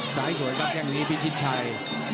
สวยครับแค่งนี้พิชิตชัย